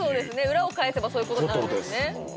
裏を返せばそういうことになるんですね